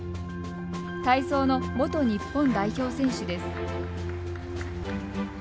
体操の元日本代表選手です。